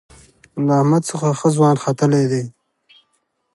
له احمد څخه ښه ځوان ختلی دی.